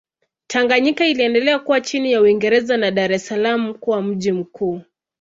Tanganyika iliendelea kuwa chini ya Uingereza na Dar es Salaam kuwa mji mkuu.